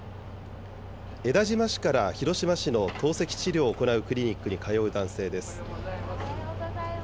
江田島市から広島市の透析治療を行うクリニックに通う男性です。